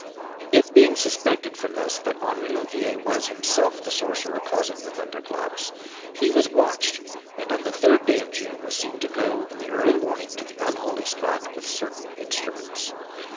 "It being suspected from this that Henri Lothiere was himself the sorcerer causing the thunderclaps, he was watched and on the third day of June was seen to go in the early morning to the unholy spot with certain instruments.